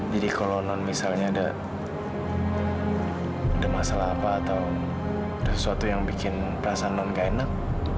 jadi kalau non misalnya ada masalah apa atau ada sesuatu yang bikin perasaan non gak enak